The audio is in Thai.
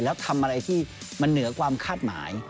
แล้วทำอะไรที่มันเหนือความคาดหมาย